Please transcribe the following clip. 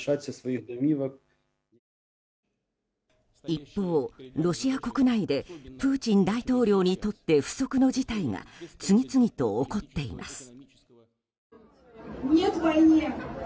一方、ロシア国内でプーチン大統領にとって不測の事態が次々と起こっています。